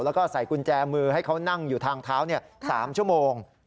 แล้วก็ใส่กุญแจมือให้เขานั่งอยู่ทางเท้า๓ชั่วโมง